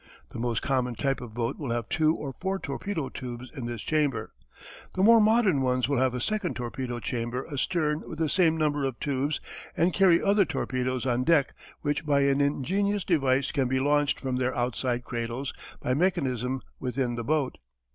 The most common type of boat will have two or four torpedo tubes in this chamber. The more modern ones will have a second torpedo chamber astern with the same number of tubes and carry other torpedoes on deck which by an ingenious device can be launched from their outside cradles by mechanism within the boat.